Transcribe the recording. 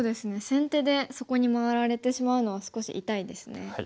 先手でそこに回られてしまうのは少し痛いですね。